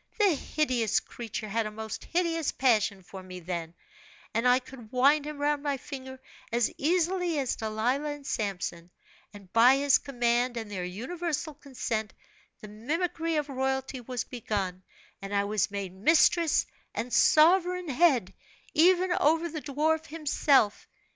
The hideous creature had a most hideous passion for me then, and I could wind him round my finger as easily as Delilah and Samson; and by his command and their universal consent, the mimicry of royalty was begun, and I was made mistress and sovereign head, even over the dwarf himself.